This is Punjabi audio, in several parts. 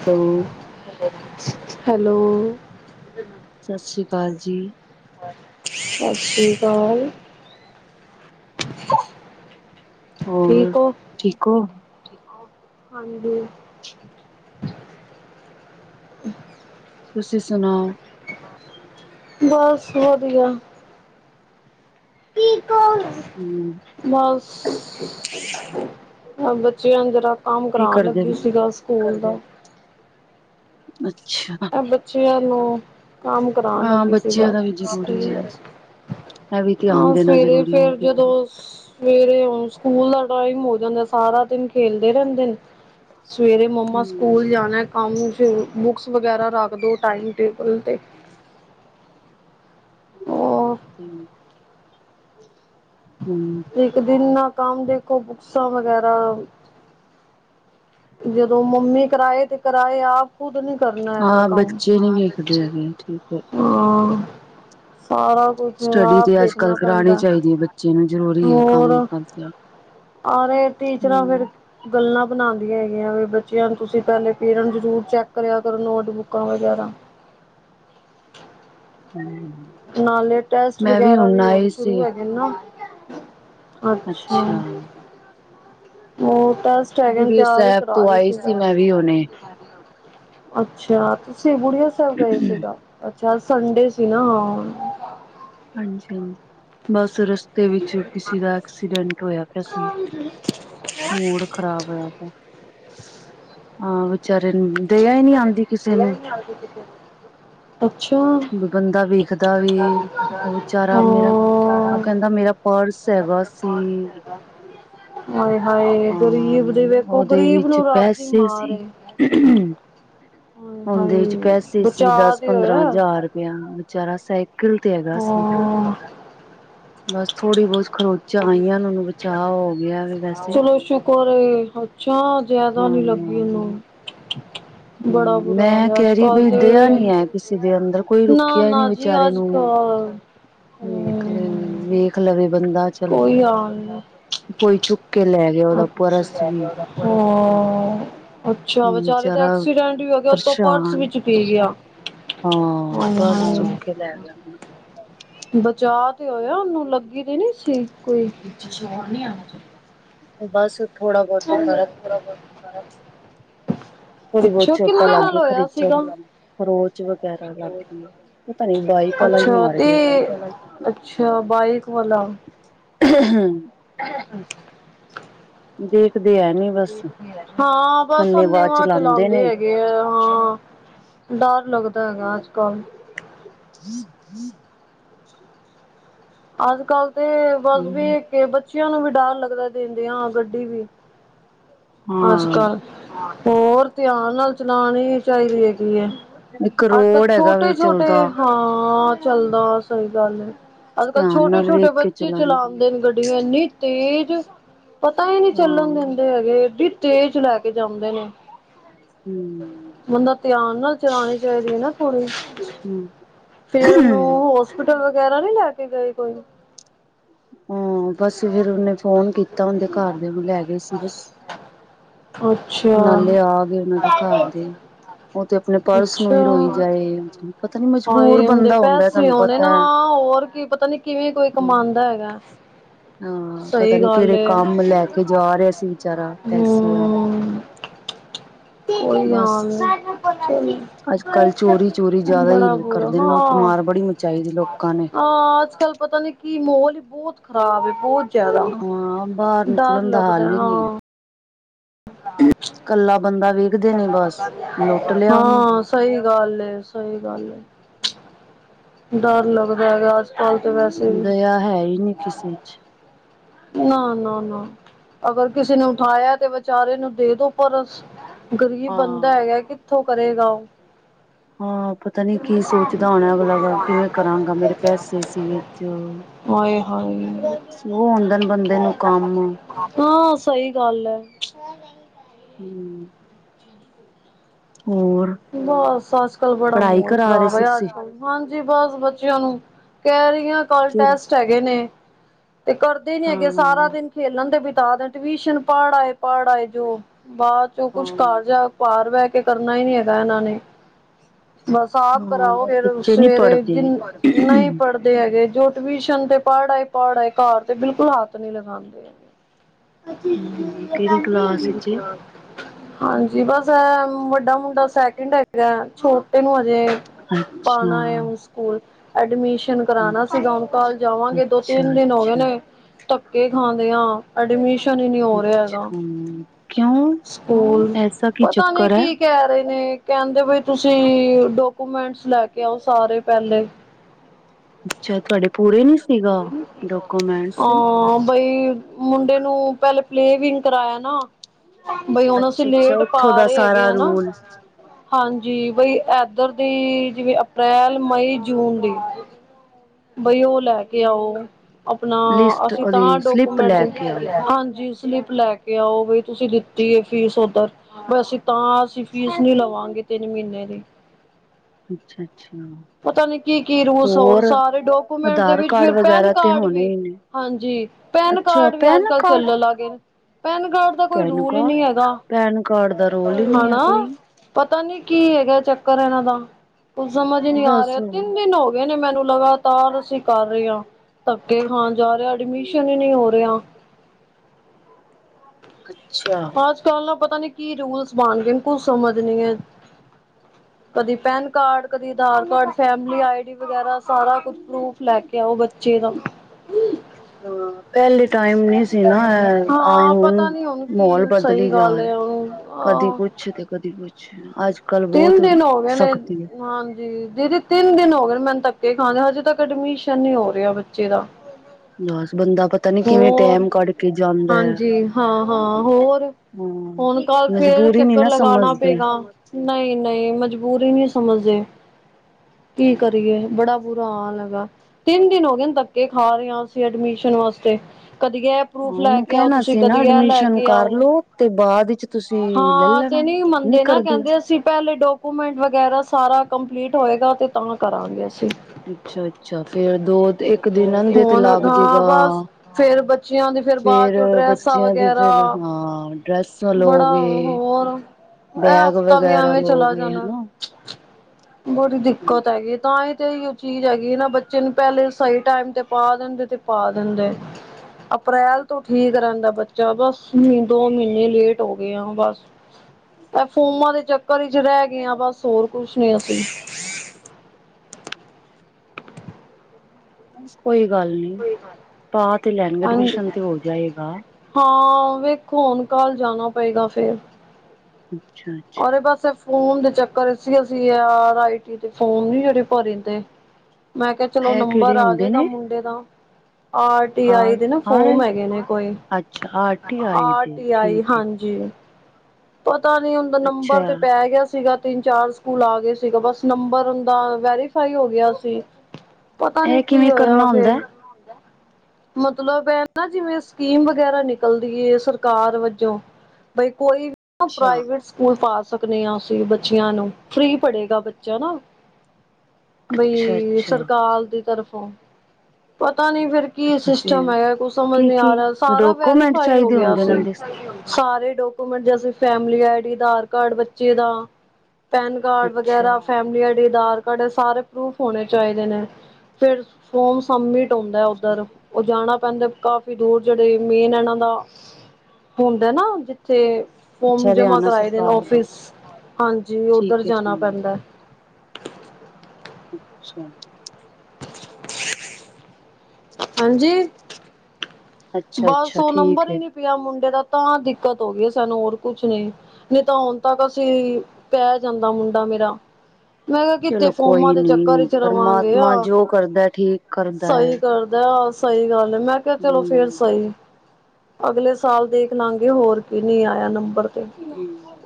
[inaudible] ਹੈਲੋ। ਸਤਿ ਸ਼੍ਰੀ ਅਕਾਲ ਜੀ ਸਤਿ ਸ਼੍ਰੀ ਅਕਾਲ ਹੋਰ ਠੀਕ ਹੋ? ਠੀਕ ਹੋ ਹਾਂਜੀ ਤੁਸੀਂ ਸੁਣਾਓ? ਬਸ ਵਧੀਆ' ਤੇ ਹ [inaudible] [unintelligible] ਹਮ ਬਸ ਬੱਚਿਆਂ ਨੂੰ ਜਰਾ ਕੰਮ ਕੀ ਕਰਾਉਣ ਕਰਦੇ ਲੱਗੀ ਨੇ? ਸੀ ਬਸ ਸਕੂਲ ਦਾ ਅੱਛਾ, ਇਹ ਬੱਚਿਆਂ ਨੂੰ ਕੰਮ ਕਰਾਉਣ ਹਾਂ ਲੱਗੀ ਸੀਗਾ ਬੱਚਿਆਂ ਦਾ ਵੀ ਜ਼ਰੂਰੀ ਸਕੂਲ ਹੈ। ਦਾ ਇਹ ਵੀ ਧਿਆਨ ਆਹ ਦੇਣਾ ਸਵੇਰੇ ਜ਼ਰੂਰੀ ਹੈ, ਫੇਰ ਕੀ ਜਦੋਂ ਕਰਾਂ ਸਵੇਰੇ ਸਕੂਲ ਦਾ ਟਾਈਮ ਹੋ ਜਾਂਦਾ ਸਾਰਾ ਦਿਨ ਖੇਲਦੇ ਰਹਿੰਦੇ ਨੇ ਸਵੇਰੇ ਮੰਮਾ ਸਕੂਲ ਹਮ ਜਾਣਾ ਕੰਮ ਫ ਬੁੱਕਸ ਵਗੈਰਾ ਰੱਖ ਦਿਉ ਟਾਈਮ ਟੇਬਲ 'ਤੇ ਉਹ ਤੇ ਹਮ ਇਹਨਾ ਕੰਮ ਦੇਖੋ ਬੁਕਸਾਂ ਵਗੈਰਾ ਜਦੋਂ ਮੰਮੀ ਕਰਾਏ ਤੇ ਕਰਾਏ ਆਪ ਕੁਦ ਨੀ ਕਰਨਾ ਹੈਗਾ ਹਾਂ ਕੰਮ ਬੱਚੇ ਨੀ ਵੇਖਦੇ ਹੈਗੇ, ਠੀਕ ਹੈ। ਹਾਂ ਸਾਰਾ ਕੁਛ ਸਟੱਡੀ ਆਪ ਤੇ ਅੱਜ ਕੱਲ੍ਹ ਦੇਖਣਾ ਕਰਾਉਣੀ ਪੈਂਦਾ ਚਾਹੀਦੀ ਹੈ, ਬੱਚੇ ਨੂੰ ਜ਼ਰੂਰੀ ਹੈ ਕੰਮ ਹੋਰ' ਕਰਦਿਆਂ। ਆਰੇ ਟੀਚਰਾਂ ਫੇਿਰ ਹਮ, ਗੱਲਾਂ ਬਣਾਦਿਆ ਹੈਗੀਆਂ ਬੱਚਿਆਂ ਨੂੰ ਤੁਸੀਂ ਪਹਿਲੇ ਪੀਰਿਡ ਜ਼ਰੂਰ ਚੈੱਕ ਕਰਿਆ ਕਰੋ ਨੋਟਬੁੱਕਾਂ ਵਗੈਰਾ ਹਮ ਨਾਲੇ ਟੈਸਟ ਵਗੈਰਾ ਵੀ ਆ ਸੀ, ਸ਼ੁਰੂ ਹੈਗੇ ਨਾ ਅੱਛਾ ਉਹ ਤਾਂ ਗਨ ਬੁੜੀ ਤਿਆਰ ਹੀ ਸਾਹਿਬ ਕਰਾ ਤੋਂ ਰਹੀ ਆਈ ਸੀ ਮੈਂ ਵੀ ਹੁਣੇ, ਅੱਛਾ ਤੁਸੀਂ ਬੁੜੀਆ ਸਾਹਿਬ ਗਏ ਸੀਗਾ ਅੱਛਾ ਸੰਡੇ ਸੀ ਨਾ ਹਾਂਜੀ ਹਾਂਜੀ ਬਸ ਰਸਤੇ ਵਿੱਚ ਕਿਸੇ ਦਾ ਐਕਸੀਡੈਂਟ ਹੋਇਆ ਸੀ ਮੂਡ ਖਰਾਬ ਰ ਪਿਆ ਆ ਵਿਚਾਰੇ ਨੂੰ ਦਆ ਹੀ ਨਹੀਂੀ ਆਉਂਦੀ ਕਿਸੇ ਨੂੰ ਕੀਤੀ ਸੀ ਅੱਛਾ, ਬੰਦਾ ਵੇਖਦਾ ਵੀ ਉਹ ਵਿਚਾਰਾ ਹਾਂ। ਮੇਰਾ ਉਹ ਕਹਿੰਦਾ ਮੇਰਾ ਪਰਸ ਹੈਗਾ ਸੀ। [unintelligible] ਆਏ-ਹਾਏ ਹਾਂ ਗਰੀਬ ਦੀ ਵੇਖੋ, ਗ਼ਰੀਬ ਨੂੰ ਰੱਬ ਦੀ ਮਾਰ ਏ। ਹਾਏ [unintelligible] ਹਾਏ ਓਂਦੇ ਵਿੱਚ ਪੈਸੇ ਸੀ ਬਚਾ ਦਸ, ਤੇ ਪੰਦਰਾਂ ਹੋਇਆ [unintelligible] ਪਿਆ। ਵਿਚਾਰਾ ਸਾਈਕਲ ਤੇ ਹੈਗਾ ਸੀ। ਹਾਂ ਬਸ ਥੋੜੀ ਬੋਤ ਖਰੋਚਾਂ ਆਈਆਂ ਉਹਨੂੰ ਬਚਾਅ ਹੋ ਗਿਆ ਵੈ ਵੈਸੇ। ਪਰ, ਹਛਾਂ ਜ਼ਾਦਾ ਨੀ ਲੱਗੀ ਉਹਨੂੰ। [inaudible] ਹੁੰ, ਬੜਾ ਬੁਰਾ ਹਾਲ ਮੈਂ ਏ ਅੱਜ ਕੇਹ ਰੀ ਕੱਲ ਬਈ ਦਯਾ ਤੇ ਨੀ ਹੈ ਕਿਸੇ ਦੇ ਅੰਦਰ, ਕੋਈ ਨਾ ਰੁਕਿਆ ਈ ਨੀ ਨਾ ਜੀ, ਅੱਜ ਕਲ ਵੇਖ ਲ, ਵੇਖ ਲਵੇ ਬੰਦਾ ਚੱਲ ਕੋਈ ਹਾਲ ਨੀ। ਕੋਈ ਚੁੱਕ ਕੇ ਲੈ ਗਿਆ ਉਹਦਾ ਪਰਸ ਵੀ। ਹੋ ਓ। ਅੱਛਾ ਵਿਚਾਰੇ ਦਾ ਵਿਚਾਰਾ ਐਕਸੀਡੈਂਟ ਵੀ ਹੋ ਗਿਆ ਉਤੋਂ ਪਰਸ ਵੀ ਪਰੇਸ਼ਾਨ ਚੁਕੀ ਗਿਆ। ਹਾਂ, ਹਾਏ ਪਰਸ ਚੁੱਕ ਕੇ ਹਾਏ ਲੈ ਗਆ [unintelligible] ਬਚਾਅ ਤੇ ਹੋਇਆ ਉਹਨੂੰ, ਲੱਗੀ ਤੇ ਨੀ ਸੀ ਕੋਈ। ਬਸ। ਥੋੜਾ ਬਹੁਤ ਹੀ ਫ਼ਰਕ [unintelligible] ਥੋੜੀ ਬੋਤ ਅੱਛਾ ਚੋਟਾ ਕਿੰਨੇ ਲੱਗ ਨਾਲ ਗਿਆ। ਹੋਇਆ ਖਰੀਚਾ ਸੀਗਾ ਵੀ ਪਈਆ, ਖਰੋਚ ਵਗੈਰਾ ਲੱਗ ਗਈਏ। ਪਤਾ ਨੀ ਬਾਈਕ ਆਲਾ ਈ ਅੱਛਾ ਮਾਰ ਤੇ ਗਿਆ ਸੀ। ਅੱਛਾ, ਬਾਈਕ ਵਾਲਾ। [unintelligible] ਦੇਖਦੇ ਹੈ ਨੀ ਬਸ ਹਾਂ, ਬਸ ਅਨੇ ਅੰਨੇਵਾਹ ਵਾ ਚਲਾਉਂਦੇ ਚਲਾਂੜੇ ਨੇ ਹੈਗੇ ਐ। ਹਾਂ, ਡਰ ਲੱਗਦਾ ਹੈਗਾ ਅੱਜ ਕੱਲ। [inaudible] ਅੱਜ ਕੱਲ ਤੇ, ਬਸ ਵੇਖ ਕੇ ਬੱਚਿਆਂ ਨੂੰ ਵੀ ਡਰ ਲੱਗਦਾ ਐ ਦੇਂਨਦੇਆਂ ਗੱਡੀ ਵੀ। ਅੱਜ ਹਾਂ ਕੱਲ, ਹੋਰ ਧਿਆਨ ਨਾਲ ਚਲਾਨੀ ਵੀ ਚਾਹੀਦੀ ਹੈ ਗੀ ਐ। ਇੱਕ ਅੱਜ ਕੱਲ, ਰੋਡ ਹੈਗਾ ਵੇ ਛੋਟੇ-ਛੋਟੇ, ਚਲਦਾ ਹਾਂ ਚੱਲਦਾ ਸਹੀ ਗੱਲ ਐ। ਅੱਜ ਕੱਲ੍ਹ ਧਿਆਨ ਨਾਲ ਛੋਟੇ-ਛਟੇ ਵੇਖ ਕੇ ਬੱਚੇ ਚਲਾਣੀ ਪੈਂਦੀ। ਚਲਾਂਦੇ ਨੇ ਗੱਡੀਆਂ ਇੰਨੀ ਤੇਜ਼, ਪਤਾ ਈ ਨੀ ਹਾਂ ਚੱਲਨ ਦਿੰਦੇ ਹੈਗੇ। ਏਡੀ ਤੇਜ਼ ਲੈ ਕੇ ਜਾਂਦੇ ਹੈਗੇ ਨੇ। ਹੁੰ। ਬੰਦਾ ਧਿਆਨ ਨਾਲ ਚਲਾਨੀ ਚਾਹੀਦੀ ਐ ਨਾ ਥੋੜੀ। ਹੁੰ। ਫੇਰ ਉਹਨੂੰ ਹੋਸਪਿਟਲ ਵਗੈਰਾ ਨੀ ਲੈ ਕੇ ਗਏ ਕੋਈ। ਹੁੰ, ਬਸ ਫੇਰ ਉਹਨੇ ਫੋਨ ਕੀਤਾ ਉਨਦੇ ਘਰ ਦੇ ਉਹਨੂੰ ਲੈ ਗਏ ਸੀ ਬਸ। ਅੱਛਾ ਨਾਲੇ ਆ ਗਏ ਉਹਨਾਂ ਦੇ ਘਰ ਦੇ, ਉਹ ਤੇ ਆਪਨੇ ਪਰਸ ਨੂੰ ਈ ਅੱਛਾ। ਰੋਈ ਜਾਏ। ਪਤਾ ਨੀ ਮੁ ਹਾਏ, ਉਂਦੇ ਪੈਸੇ ਹੋਨੇ ਨਾ, ਹਾ ਹੋਰ ਕੀ, ਪਤਾ ਨੀ ਕਿਵੇਂ ਕੋਈ ਕਮਾਦਾ ਹੈਗਾ। ਹਾਂ, ਪਤਾ ਸਹੀ ਨੀ ਗੱਲ ਕਿਹੜੇ ਏ ਕੰਮ ਲੈ ਕੇ ਜਾ ਰਿਹਾ ਸੀ ਵਿਚਾਰਾ, ਪੈਸੇ ਆ। [inaudible] ਕੋਈ ਹਾਲ ਬਸ ਨੀ, ਚਲੋ। ਅੱਜ ਕੱਲ੍ਹ ਚੋਰੀ-ਚੁਰੀ ਜ਼ਾਦਾ ਈ ਬੜਾ ਬੁਰਾ ਕਰਦੇ ਨੇ, ਲੁਟ ਮਾਰ ਬੜੀ ਮਚਾਈ ਦੀ ਲੋਕਾਂ ਨੇ। ਆਂ, ਅੱਜ ਕੱਲ ਪਤਾ ਨੀ ਕਿ ਮਾਹੌਲ ਈ ਬੋਤ ਖ਼ਰਾਬ ਐ ਬੋਤ ਆਂ, ਬਾਹਰ ਨਿਕਲਨ ਦਾ ਹਾਲ ਲੱਗਦਾ ਈ ਨੀ ਹਾਂ ਹੈਂ। [unintelligible] ਕੱਲਾ ਬੰਦਾ ਵੇਖਦੇ ਨੇ ਬਸ, ਲੁੱਟ ਲਿਆ ਉਹਨੂੰ। ਹਾਂ ਸਹੀ ਗੱਲ ਐ, ਸਹੀ ਗੱਲ ਐ। ਡਰ ਲੱਗਦਾ ਹੇਗਾ ਅੱਜ [unintelligible] ਦਯਾ ਹੈ ਈ ਨੀ ਕਿਸੀ ਨਾ-ਨਾ-ਨਾ, ਅਗਰ ਕਿਸੇ ਨੇ ਉਠਾਇਆ ਤੇ ਵਿਚਾਰੇ ਨੂੰ ਦੇ ਦੋ ਪਰਸ। ਗ਼ਰੀਬ ਹਾਂ ਬੰਦਾ ਹੈਗਾ ਕਿੱਥੋਂ ਕਰੇਗਾ ਉਹ ਹਾਂ ਪਤਾ ਨੀ ਕੀ ਸੋਚਦਾ ਹੋਣਾ ਅਗਲਾ ਕਿਵੇਂ ਕਰਾਂਗਾ ਮੇਰੇ ਪੈਸੇ ਸੀ ਵਿਚ ਆਏ ਹਾਏ ਨੇ ਬੰਦੇ ਨੂੰ ਕੰਮ ਹਾਂ ਸਹੀ ਗੱਲ ਹੈ ਹ ਨਹੀਂ ਪ ਹਮ ਠੀਕ ਹੋਰ ਬਸ ਅੱਜ ਕਲ ਬੜਾ ਪੜ੍ਹਾਈ ਮੋਲ ਕਰਾ ਰਹੇ ਖ਼ਰਾਬ ਆ ਸੀ ਤੁਸੀਂ ਅੱਜਕਲ ਹਾਂਜੀ ਬਸ ਬੱਚਿਆਂ ਨੂੰ ਕਹਿ ਰਹੀ ਹਾਂ ਕਲ ਕਿਹੜੀ ਟੈਸਟ ਹੈਗੇ ਨੇ ਤੇ ਕਰਦੇ ਨੀ ਹਾਂ ਹੈਗੇ ਸਾਰਾ ਦਿਨ ਖੇਲਣ ਦੇ ਬਿਤਾ ਦੇ ਟਿਊਸ਼ਨਾਂ ਪੜ ਆਏ ਪੜ ਆਏ ਜੋ ਬਾਅਦ ਚ ਕੁਛ ਹਾਂ ਘਰ ਆ ਕੇ ਬਹਿ ਕੇ ਕਰਨਾ ਹੀ ਨੀ ਹੈਗਾ ਇਹਨਾਂ ਨੇ ਬਸ ਆਪ ਹਾਂ ਕਰਾਓ ਬਸ ਫੇਰ ਬੱਚੇ ਨੀ ਸਵੇਰੇ ਪੜ੍ਹਦੇ ਨਹੀਂ ਪੜ ਹੈਗੇ ਜੋ ਟਵਿਸ਼ਨ ਤੇ ਪੜ ਆਏ ਪੜ ਆਏ ਘਰ ਤੇ ਬਿਲਕੁਲ ਹੱਥ ਨੀ ਲਗਾਉਂਦੇ ਅੱਛ ਹਮ ਕਿਹੜੀ ਕਲਾਸ ਤਨੇ ਵਿੱਚ ਹਾਂਜੀ ਬਸ ਇਹ ਵੱਡਾ ਮੁੰਡਾ ਸੈਕਿੰਡ ਹੈਗਾ ਛੋਟੇ ਨੂੰ ਹਜੇ ਅੱਛਾ ਪਾਉਣਾ ਉਹ ਸਕੂਲ ਐਡਮਿਸ਼ਨ ਕਰਾਣਾ ਅੱਛਾ ਸੀਗਾ ਹੁਣ ਕਲ ਜਾਵਾਂਗੇ ਦੋ ਅੱਛਾ ਤਿੰਨ ਦਿਨ ਹੋ ਗਏ ਅੱਛਾ ਨੇ ਧੱਕੇ ਖਾਂਦੇਿਆਂ ਐਡਮਿਸ਼ਨ ਹੀ ਨਹੀ ਹੋ ਰਿਹਾ ਹੈਗਾ ਅੱਛਾ ਕਿਉਂ ਸਕੂਲ ਐਸਾ ਕੀ ਪਤਾ ਨੀ ਚੱਕਰ ਹੈ ਕੀ ਕਹਿ ਰਹੇ ਨੇ, ਕਹਿੰਦੇ ਬਈ ਤੁਸੀਂ ਡਾਕੂਮੈਂਟਸ ਲੈ ਕੇ ਆਓ ਸਾਰੇ ਪਹਿਲੇ। ਅੱਛਾ, ਤੁਹਾਡੇ ਪੂਰੇ ਨੀ। ਸੀਗਾ ਡਾਕੂਮੈਂਟਸ ਹਾਂ, ਬਈ ਮੁੰਡੇ ਨੂੰ ਪਹਿਲੇ ਪਲੇ ਵਿੰਗ ਕਰਾਇਆ ਨਾ। ਬਈ ਹੁਣ ਅਸੀਂ ਅੱਛਾ ਅੱਛਾ ਲੇਟ ਪਾ ਉੱਥੋਂ ਦਾ ਰਹੇ ਹੈਗੇ ਸਾਰਾ ਆ ਨਾ। ਰੂਲ ਹਾਂਜੀ, ਬਈ ਇਧਰ ਦੀ ਜਿਵੇਂ ਅਪ੍ਰੈਲ, ਮਈ, ਜੂਨ ਦੀ। ਬਈ ਉਹ ਲੈ ਕੇ ਆਓ। ਆਪਣਾ ਲਿਸਟ ਅਸੀਂ ਤਾਂ ਉਹਦੀ ਸਲਿੱਪ ਡੋਕੂਮੈਂਟ, ਲੈ ਕੇ ਆਓ ਹਾਂਜੀ ਸਲਿੱਪ ਲੈ ਕੇ ਕੇ ਆਓ ਬਈ, ਤੁਸੀਂ ਦਿੱਤੀ ਐ ਫੀਸ ਉਧਰ। ਵੀ ਅਸੀਂ ਤਾਂ ਅਸੀਂ ਫੀਸ ਨਹੀਂ ਲਵਾਂਗੇ, ਤਿੰਨ ਮਹੀਨੇ ਦੀ। ਅੱਛਾ- ਅੱਛਾ। ਪਤਾ ਨੀ ਕੀ- ਕੀ ਰੂਲਸ, ਹੋਰ ਸਾਰੇ ਡਾਕੂਮੈਂਟ ਦੇ ਆਧਾਰ ਵਿੱਚ ਕਾਰਡ ਫਿਰ ਪੈਨ ਵਗੈਰਾ ਤੇ ਕਾਰਡ ਹੋਣੇ ਵੀ। ਹੀ ਨੇ ਹਾਂਜੀ, ਪੈਨ ਅੱਛਾ ਕਾਰਡ ਵੀ ਅੱਜ ਪੈਨ -ਕੱਲ੍ਹ ਕਾਰਡ ਚੱਲਣ ਲਾਗੇ, ਪੈਨ ਕਾਰਡ ਦਾ ਕੋਈ ਪੈਨ ਰੂਲ ਹੀ ਕਾਰਡ ਨਹੀਂ ਹੈਗਾ, ਪੈਨ ਕਾਰਡ ਦਾ ਰੋਲ ਹੀ ਨਹੀਂ ਹੈ ਹਨਾ। ਕੋਈ ਪਤਾ ਨੀ ਕੀ ਹੈਗਾ ਚੱਕਰ ਇਹਨਾਂ ਦਾ, ਕੁਝ ਸਮਝ ਨਹੀਂ ਆ ਬਸ ਰਿਹਾ, ਤਿੰਨ ਦਿਨ ਹੋਗੇ ਨੇ ਮੈਨੂੰ ਲਗਾਤਾਰ ਅਸੀਂ ਕਰ ਰਹੇ ਹਾਂ, ਧੱਕੇ ਖਾਣ ਜਾ ਰਿਹਾ, ਐਡਮਿਸ਼ਨ ਹੀ ਨਹੀਂ ਹੋ ਰਿਹਾ। ਅੱਛਾ, ਅੱਜ- ਕੱਲ੍ਹ ਨਾ ਪਤਾ ਨੀ ਕੀ ਰੂਲਸ ਬਣ ਗਏ, ਕੁਛ ਸਮਝ ਨੀ ਐ। [unintelligible] ਹੂੰ ਕਦੇ ਪੈਨ ਕਾਰਡ, ਕਦੀ Aadhaar card, family I D ਵਗੈਰਾ ਸਾਰਾ ਕੁਛ ਪਰੂਫ ਲੈ ਕੇ ਆਓ ਬੱਚੇ ਦਾ। ਹਾਂ, ਪਹਿਲੇ ਟਾਈਮ ਨੀ ਸੀ ਨਾ ਆ ਹਾਂ ਹੁਣ ਪਤਾ ਨੀ ਹੁਣ ਮਾਹੌਲ ਕੀ ਸਹੀ ਬਦਲੀ ਜਾ ਗੱਲ ਰਿਹਾ, ਹੈ ਹੁਣ ਕਦੀ ਆਹ ਕੁਛ ਕੁਛ ਕਦੀ ਕੁਛ ਅੱਜ ਕੱਲ ਤਿੰਨ ਬਹੁਤ ਦਿਨ ਹੋ ਗਏ ਨੇ ਸਖਤੀ ਏ। ਹਾਂ। ਦੀਦੀ ਤਿੰਨ ਦਿਨ ਹੋ ਗਏ ਨੇ ਮੈਨੂੰ ਧੱਕੇ ਖਾਂਦਿਆਂ, ਹਜੇ ਤੱਕ ਐਡਮਿਸ਼ਨ ਨੀ ਹੋ ਰਿਹਾ ਬੱਚੇ ਦਾ। ਬਸ ਬੰਦਾ ਪਤਾ ਨੀ ਕਿਵੇਂ ਹੋਰ ਟੈਮ ਕੱਢ ਕੇ ਜਾਂਦਾ। ਹਾਂਜੀ ਹਾਂ- ਹਾਂ ਹੋਰ, ਹੂੰ। ਹੁਣ ਕੱਲ ਫੇਰ ਮਜਬੂਰੀ ਨੀ ਚੱਕਰ ਨਾ ਲਗਾਣਾ ਸਮਝਦੇ। ਹਾਂ ਪਏਗਾ। ਨਹੀਂ- ਨਹੀਂ ਮਜਬੂਰੀ ਨੀ ਸਮਝਦੇ, ਕੀ ਕਰੀਏ ਬੜਾ ਬੁਰਾ ਆ ਲਗਾ, ਤਿੰਨ ਦਿਨ ਹੋ ਗਏ ਧੱਕੇ ਖਾ ਰਹੇ ਆਂ ਅਸੀਂ ਐਡਮਿਸ਼ਨ ਵਾਸਤੇ, ਕਦੀ ਇਹ- ਹਾਂ ਪ੍ਰੂਫ ਲੈ ਉਹਨੂੰ ਕੇ ਆਓ ਕਹਿਣਾ ਤੁਸੀਂ ਸੀ ਨਾ ਕਦੀ ਇਹ ਲੈ ਐਡਮਿਸ਼ਨ ਕੇ ਆਓ ਕਰਲੋ, ਤੇ ਬਾਅਦ ਤੁਸੀਂ ਲੈ ਹਾਂ ਤੇ ਲੈਣਾ। ਨਹੀਂ ਨੀ ਮੰਨਦੇ ਨਾ, ਕਰਦੀ ਕਹਿੰਦੇ ਅਸੀਂ ਪਹਿਲੇ ਡਾਕੂ ਡਾਕੂਮੈਂਟ ਵਗੈਰਾ ਸਾਰਾ ਕੰਪਲੀਟ ਹੋਏਗਾ, ਤੇ ਤਾਂ ਕਰਾਂਗੇ ਅਸੀਂ। ਅੱਛਾ-ਅੱਛਾ ਫੇਰ ਦੋ ਇੱਕ ਦਿਨ ਆਂਦੇ ਤੇ ਹੁਣ ਲੱਗ ਹਾਂ ਜੇਗਾ। ਬਸ ਫੇਰ ਬੱ ਬੱਚਿਆਂ ਦੀ ਫਿਰ ਬਾਅਦ ਫੇਰ ਚੋਂ ਡਰੈਸਾਂ ਬੱਚਿਆਂ ਦੇ ਫਿਰ ਵਗੈਰਾ ਹਾਂ ਡਰੈਸਾਂ ਬੜਾ ਲੋਗੇ। ਹੋਰ, ਇਹ ਬੈਗ ਹਫ਼ਤਾ ਵੀ ਵਗੈਰਾ ਐਵੇਂ ਚਲਾ ਲੋਗੇ ਜਾਣਾ। ਹਨਾ ਬੜੀ ਦਿੱਕਤ ਹੈਗੀ, ਤਾਂ ਹੀ ਤੇ ਚੀਜ਼ ਹੈਗੀ ਨਾ, ਬੱਚੇ ਨੂੰ ਪਹਿਲੇ ਸਹੀ ਟਾਈਮ ਤੇ ਪਾ ਦਿੰਦੇ ਤੇ ਪਾ ਦਿੰਦੇ। ਅਪ੍ਰੈਲ ਤੋਂ ਠੀਕ ਰਹਿੰਦਾ ਬੱਚਾ, ਬਸ ਮਹ ਦੋ ਮਹੀਨੇ ਲੇਟ ਹੁੋ ਗਏ ਆ ਬਸ। ਇਹ ਫੋਮਾਂ ਦੇ ਚੱਕਰ ਚ ਰਹਿ ਗਿਆਂ, ਬਸ ਹੋਰ ਕੁਛ ਨੀ ਅਸੀਂ। ਕੋਈ ਗੱਲ ਨੀ ਪਾ ਤੇ ਲੈਣਗੇ, ਹਾਂਜੀ ਐਡਮਿਸ਼ਨ ਤੇ ਹੋ ਜਾਏਗਾ। ਹਾਂ, ਵੇਖੋ ਹੁਣ ਕੱਲ ਜਾਣਾ ਪਏਗਾ ਫੇਰ। [unintelligible] ਔਰ ਇਹ ਬਸ ਫੋਮ ਦੇ ਚੱਕਰ ਵਿਚ ਅਸੀ ਯਾਰ ਐਹ ਆਈ ਟੀ ਦੇ ਫੋਮ ਨੀ ਜੇੜੇ ਭਰੇ ਦੇ। ਮੈਂ ਕਿਹਾ ਚਲੋ ਇਹ ਨੰਬਰ ਕਿਹੜੇ ਆ ਹੁੰਦੇ ਜਾਏਗਾ ਨੇ ਮੁੰਡੇ ਦਾ, ਆਰ ਟੀ ਆਈ ਆਰ ਦੇ ਨਾ ਆਰ ਫੋਮ ਆਈ ਹੈਗੇ ਨੇ ਕੋਈ, ਅੱਛਾ R T I I G T I ਠੀਕ ਹੈ ਹਾਂਜੀ। [inaudible] ਪਤਾ ਨੀ ਉਂਦਾ ਨੰਬਰ ਅੱਛਾ ਤੇ ਪੈ ਗਿਆ ਸੀਗਾ, ਤਿੰਨ ਚਾਰ ਸ ਸਕੂਲ ਆ ਗਏ ਸੀਗਾ, ਬਸ ਨੰਬਰ ਉਦਾ ਵੈਰੀਫਾਈ ਹੋ ਗਿਆ ਸੀ। ਪਤਾ ਨੀ ਇਹ ਕੀ ਕਿਵੇਂ ਹੋਇਆ ਕਰਨਾ ਹੁੰਦਾ ਫੇਰ ਮਤਲਬ ਇਹ ਨਾ ਜਿਵੇਂ ਸਕੀਮ ਵਗੈਰਾ ਨਿਕਲਦੀ ਏ ਸਰਕਾਰ ਵਜੋਂ, ਬਈ ਕੋਈ [unintelligible] ਅੱਛਾ ਪ੍ਰਾਈਵੇਟ ਸਕੂਲ ਪਾ ਸਕਨੇ ਆ ਅਸੀਂ ਬੱਚਿਆਂ ਨੂੰ ਫਰੀ ਪੜ੍ਹੇਗਾ ਬੱਚਾ ਨਾ। ਅੱਛਾ ਬਈ ਅੱਛਾ ਸਰਕਾਰ ਦੀ ਤਰਫੋਂ ਪਤਾ ਨੀ ਫਿਰ ਕੀ ਅੱਛਾ ਸਿਸਟਮ ਫੇਰ ਹੈਗਾ ਕੁਛ ਸਮਝ ਕੀ ਨ ਆ ਕੀ ਰਿਹਾ ਸਾਰਾ ਡਾਕੂਮੈਂਟ ਵੈਰੀਫਾਈ ਹੋ ਚਾਹੀਦੇ ਗਿਆ ਹੁੰਦੇ ਸੀ। ਇਹਨਾਂ ਦੇ ਸਾਰੇ ਡਾਕੂਮੈਂਟ ਜੈਸੇ family I D Aadhaar card ਬੱਚੇ ਦਾ, ਪੈਨ ਕਾਰਡ ਅੱਛਾ ਵਗੈਰਾ ਫੈਮਿਲੀ ਆਈ ਡੀ, ਅਧਾਰ ਤੁਹਾਡੇ ਸਾਰੇ ਪ੍ਰੂਫ ਹੋਣੇ ਚਾਹੀਦੇ ਨੇ ਫਿਰ ਫੋਰਮ ਸਬਮਿਟ, ਹੁੰਦਾ ਉੱਧਰ ਉਹ ਜਾਣਾ ਪੈਂਦਾ ਕਾਫੀ ਕਫੀ ਦੂਰ ਜੇੜੇ ਮੇਨ ਇਹਨਾਂ ਦਾ ਹੁੰਦਾ ਨਾ ਜਿੱਥੇ ਫੋਮ ਅੱਛਾ ਜਮਾ, ਹਰਿਆਣਾ [unintelligible] ਦਿਨ ਸਰਕਾਰ ਦਾ ਆਫਿਸ ਹਾਂਜੀ ਉਧਰ ਠੀਕ ਹੈ ਜਾਣਾ ਠੀਕ ਪੈਂਦਾ। [inaudible] ਹਾਂਜੀ। ਅੱਛਾ ਬਸ ਅੱਛਾ ਉਹ ਨੰਬਰ ਠੀਕ ਹੀ ਹੈ ਨੀ ਪਿਆ ਮੁੰਡੇ ਦਾ ਤਾਂ ਦਿੱਕਤ ਹੋ ਗਈ ਸਾਨੂੰ ਹੋਰ ਕੁਛ ਨਹੀਂ। ਨਹੀਂ ਤਾਂ ਹੁਣ ਤੱਕ ਅਸੀਂ ਪੈ ਜਾਂਦਾ ਮੁੰਡਾ ਮੇਰਾ। ਮੈਂ ਕਿਹਾ ਕਿਤੇ ਚਲੋ ਫੋਮਾਂ ਕੋਈ ਦੇ ਚੱਕਰ ਨੀ ਵਿਚ ਰਵਾਂਗੇ ਆ ਪਰਮਾਤਮਾ ਜੋ ਕਰਦਾ ਠੀਕ ਕਰਦਾ ਹੈ ਸਹੀ [unintelligible] ਸਹੀ ਗੱਲ ਏ ਮੈਂ ਕਿਹਾ ਚਲੋ, ਫੇਰ ਹਮ ਸਹੀ, ਅਗਲੇ ਸਾਲ ਦੇਖ ਲਾਂਗੇ ਹੋਰ ਕੀ ਨਹੀਂ ਆਇਆ ਨੰਬਰ ਤੇ,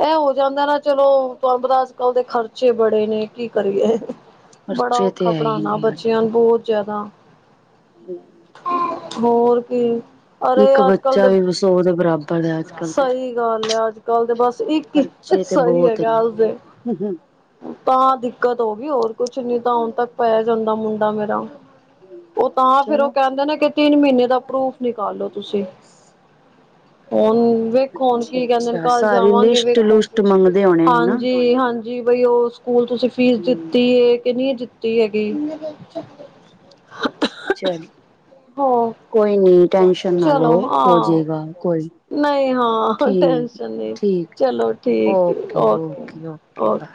ਇਹ ਹੋ ਜਾਂਦਾ ਨਾ ਚਲੋ ਤੁਵਾਣ ਪਤਾ ਅੱਜ ਕੱਲ ਦੇ ਖਰਚੇ ਬੜੇ ਨੇ ਕੀ ਕਰੀਏ, ਬੜਾ ਖਰਚੇ ਔਖਾ ਤੇ ਹੈ ਹੀ ਪੜ੍ਹਾਉਣਾ ਨੇ ਅੱਜ ਬੱਚਿਆਂ ਕੱਲ ਨੂੰ ਬਹੁਤ ਜ਼ਿਆਦਾ। [inaudible] ਹੋਰ ਕੀ ਅਰੇ ਇੱਕ ਅੱਜ ਕੱਲ ਬੱਚਾ ਦੇ, ਵੀ ਸੌ ਦੇ ਬਰਾ ਸਹੀ ਗੱਲ ਹੈ ਅੱਜ ਕੱਲ ਤੇ ਬਸ ਇੱਕ ਹੀ ਖਰਚੇ ਤੇ ਸਹੀ ਬਹੁਤ ਹੈਗਾ ਨੇ ਆਜ ਦੇ, ਤਾਂ ਦਿੱਕਤ ਹੋਗੀ ਹੋਰ ਕੁਛ ਨੀ ਤਾਂ ਹੁਣ ਤੱਕ ਪੈ ਜਾਂਦਾ ਮੁੰਡਾ ਮੇਰਾ। ਉਹ ਤਾਂ ਫੇਰ ਉਹ ਚਲੋ ਕਹਿੰਦੇ ਨੇ ਕਿ ਤਿੰਨ ਮਹੀਨੇ ਦਾ ਪ੍ਰੂਫ ਨਿਕਾਲੋ ਤੁਸੀਂ। ਹੁਣ ਵੇਖੋ ਹੁਣ ਅੱਛਾ ਕੀ ਕਹਿੰਦੇ ਨੇ ਅੱਛਾ ਕਾਲ ਸਾਰੀ ਜਾਵਾਂਗੇ ਲਿਸਟ ਵੇਖੋ ਲੁਸਟ ਮੰਗਦੇ ਹੋਣੇ ਨੇ ਨਾ ਹਾਂਜੀ ਹਾਂਜੀ। ਜੀ ਬਈ ਉਹ ਸਕੂਲ ਤੁਸੀਂ ਫੀਸ ਹਮ ਦਿੱਤੀ ਏ ਕਿ ਨਹੀਂ ਦਿੱਤੀ ਹੈਗੀ? ਚਲੋ ਹੋ ਕੋਈ ਨੀ ਟੈਨਸ਼ਨ ਨਾ ਚਲੋ ਲਓ ਹਾਂ ਹੋਜਏਗਾ ਕੋਈ ਨੀ। ਨਹੀਂ ਹਾਂ ਠੀਕ ਟੈਸ਼ਨ ਨਹੀਂ ਠੀਕ ਚਲੋ ਠੀਕ ਓਕੇ ਓਕੇ ਓਕੇ ਬਾਏ।